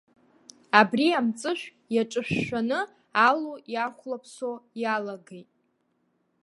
Абри амҵәышә иаҿышәшәаны алу иахәлаԥсо иалагеит.